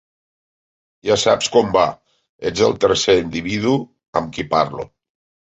Ja saps com va, ets el tercer individu amb qui parlo.